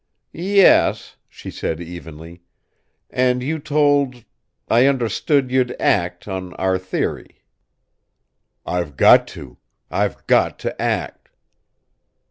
"Yes," she said, evenly. "And you told I understood you'd act, on our theory." "I've got to! I've got to act!"